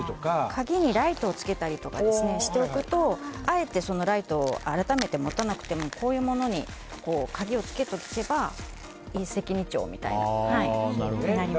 鍵にライトをつけたりしておくとあえてライトを改めて持たなくてもこういうものに鍵を付けておけば一石二鳥みたいになります。